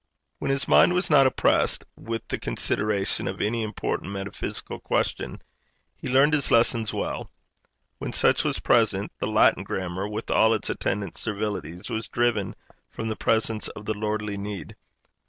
When his mind was not oppressed with the consideration of any important metaphysical question, he learned his lessons well; when such was present, the Latin grammar, with all its attendant servilities, was driven from the presence of the lordly need.